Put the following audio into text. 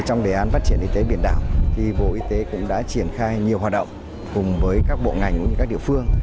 trong đề án phát triển y tế biển đảo bộ y tế cũng đã triển khai nhiều hoạt động cùng với các bộ ngành cũng như các địa phương